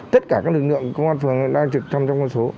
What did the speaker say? tất cả các lực lượng công an phường đang trực trong con số